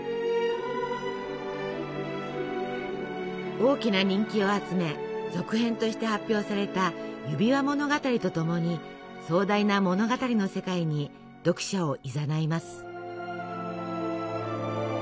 大きな人気を集め続編として発表された「指輪物語」とともに壮大な物語の世界に読者をいざないます。